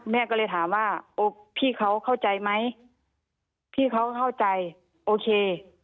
แม่ก็เลยถามว่าพี่เขาเข้าใจไหมพี่เขาเข้าใจโอเค